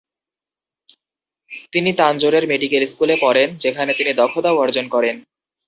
তিনি তানজোরের মেডিকেল স্কুলে পড়েন, যেখানে তিনি দক্ষতাও অর্জন করেন।